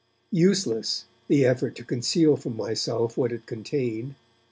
Useless the effort to conceal from myself what it contained.